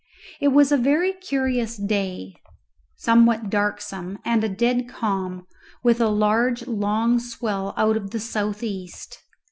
It was a very curious day, somewhat darksome, and a dead calm, with a large long swell out of the south east.